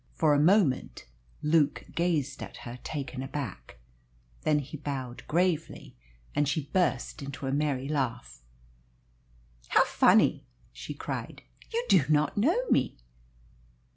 For a moment Luke gazed at her, taken aback. Then he bowed gravely, and she burst into a merry laugh. "How funny!" she cried. "You do not know me?"